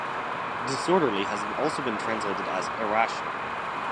Disorderly has also been translated as "irrational".